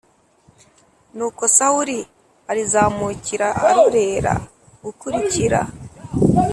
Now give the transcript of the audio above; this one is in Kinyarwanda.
Nuko Sawuli arizamukira arorera gukurikira